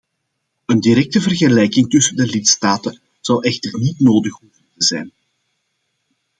Een directe vergelijking tussen de lidstaten zou echter niet nodig hoeven te zijn.